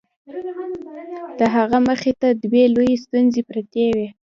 د هغه مخې ته دوې لويې ستونزې پرتې وې.